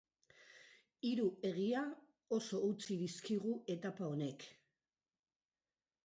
Hiru egia oso utzi dizkigu etapa honek.